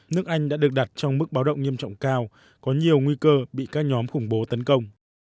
nước anh đã được đặt trong mức báo động nghiêm trọng cao có nhiều nguy cơ bị các nhóm khủng bố tấn công